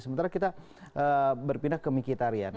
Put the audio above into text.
sementara kita berpindah ke michitarian